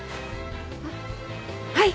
はっはい。